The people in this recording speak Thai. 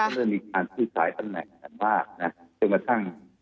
สนุนโดยน้ำดื่มสิง